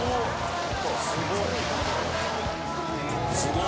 すごい。